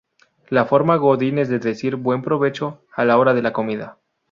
La forma Godínez de decir "Buen Provecho" a la hora de la comida.